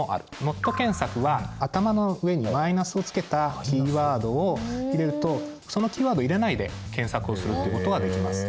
ＮＯＴ検索は頭の上にマイナスをつけたキーワードを入れるとそのキーワードを入れないで検索をするっていうことができます。